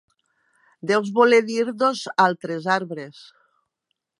Deus voler dir dos altres arbres.